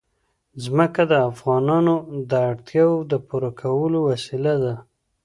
ځمکه د افغانانو د اړتیاوو د پوره کولو وسیله ده.